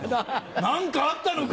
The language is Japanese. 何かあったのか？